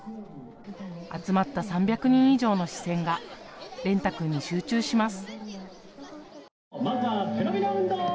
集まった３００人以上の視線が蓮汰君に集中します。